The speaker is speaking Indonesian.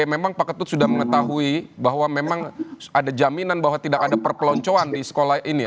memang pak ketut sudah mengetahui bahwa memang ada jaminan bahwa tidak ada perpeloncoan di sekolah ini